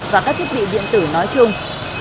và các thiết bị điện tử nói chung